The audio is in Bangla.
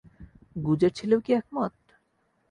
গুজের ছেলেও কি একমত?